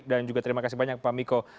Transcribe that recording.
dan juga terima kasih banyak pak amiko